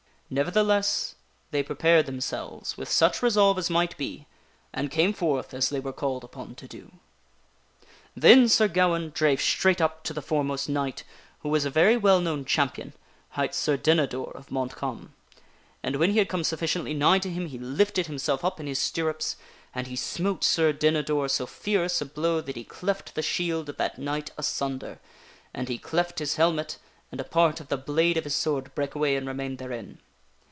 Nevertheless, they prepared themselves with such resolve as might be, and came forth as they were called upon to do. Then Sir Gawaine drave straight up to the foremost knight, who was a very well known champion, hight Sir Dinador of Montcalm. And when he had come sufficiently nigh to him, he lifted himself up in his stirrups and he smote Sir Dinador so fierce a blow that he cleft the shield of that knight asunder, and he cleft his helmet, and a part of the blade of his sword brake away and remained therein.